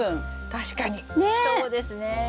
確かにそうですね。ね！